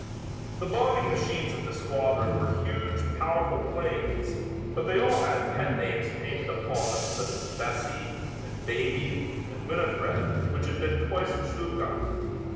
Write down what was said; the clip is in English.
The bombing machines of the squadron were huge, powerful planes, but they all had pet names painted upon them such as "Bessie" and "Baby" and "Winifred" which had been twice to Stuttgart.